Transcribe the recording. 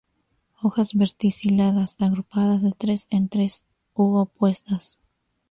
Hojas verticiladas, agrupadas de tres en tres u opuestas.